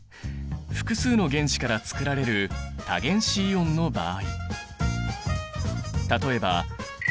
複数の原子からつくられる多原子イオンの場合。